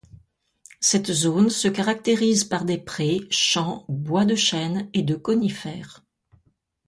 Cette zone se caractérise par des prés, champs, bois de chênes et de conifères.